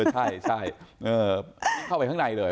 ใช่เข้าไปข้างในเลย